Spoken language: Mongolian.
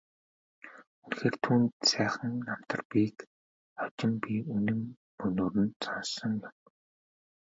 Үнэхээр ч түүнд сайхан намтар бийг хожим би үнэн мөнөөр нь сонссон юм.